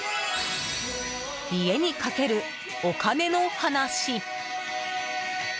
家にかけるお金の話。